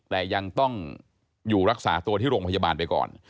แต่ยังต้องอยู่รักษาตัวที่โรงพยาบาลไปก่อน